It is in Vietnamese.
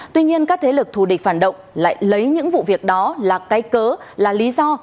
tuy nhiên các thế lực thù địch phản động lại lấy những vụ việc đó là cái cớ là lý do